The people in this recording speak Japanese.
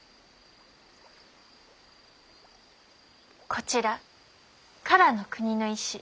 こちら唐の国の医師